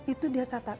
itu dia catat